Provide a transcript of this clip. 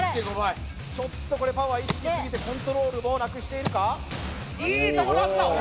ちょっとこれパワー意識しすぎてコントロールをなくしているかいいとこだったＯＫ